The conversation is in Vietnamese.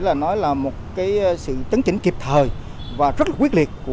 đó là một cái sự chấn chỉnh kịp thời và rất là quyết liệt